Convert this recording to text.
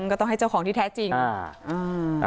ก็ต้องให้เจ้าของที่แท้จริงอ่า